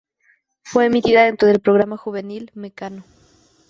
Fue emitida dentro del programa juvenil "Mekano".